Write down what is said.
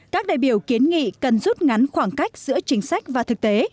các đại biểu kiến nghị cần rút ngắn khoảng cách giữa chính sách và thực tế